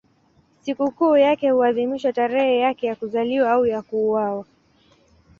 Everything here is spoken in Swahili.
Sikukuu yake huadhimishwa tarehe yake ya kuzaliwa au ya kuuawa.